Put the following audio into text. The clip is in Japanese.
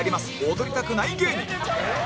踊りたくない芸人